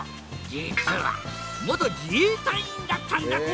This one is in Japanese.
実は元自衛隊員だったんだって！